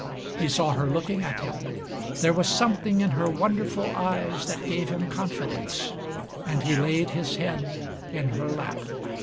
He saw her looking at him; there was something in her wonderful eyes that gave him confidence, and he laid his head in her lap.